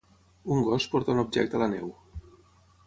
Un gos porta un objecte a la neu.